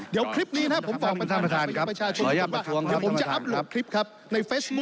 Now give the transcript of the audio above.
เดี๋ยวคลิปนี้นะครับผมจะอัพโหลดคลิปครับ